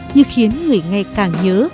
như khiến người nghe càng nhớ